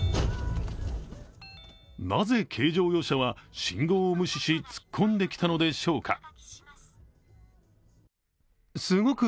なぜ軽乗用車は、信号を無視し突っ込んできたのでしょうか。